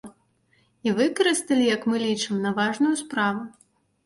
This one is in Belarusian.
І выкарысталі, як мы лічым, на важную справу.